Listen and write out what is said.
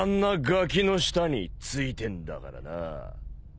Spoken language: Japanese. ガキの下についてんだからな。